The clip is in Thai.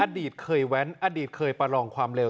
อดีตเคยแว้นอดีตเคยประลองความเร็ว